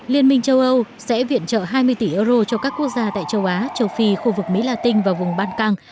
liên minh châu âu sẽ viện trợ hai mươi tỷ euro cho các quốc gia tại châu á châu phi khu vực mỹ latin và vùng ban căng